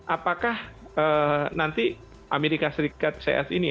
apakah nanti amerika serikat cs ini